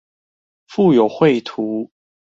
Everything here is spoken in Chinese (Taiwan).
附有繪圖